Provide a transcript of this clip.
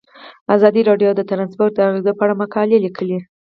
ازادي راډیو د ترانسپورټ د اغیزو په اړه مقالو لیکلي.